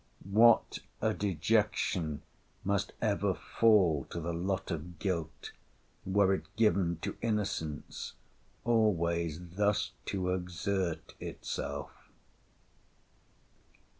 — What a dejection must ever fall to the lot of guilt, were it given to innocence always thus to exert itself!